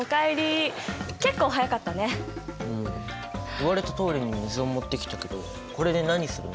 言われたとおりに水を持ってきたけどこれで何するの？